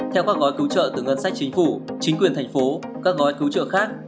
theo các gói cứu trợ từ ngân sách chính phủ chính quyền thành phố các gói cứu trợ khác